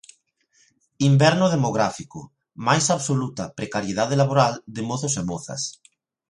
Inverno demográfico, máis absoluta precariedade laboral de mozos e mozas.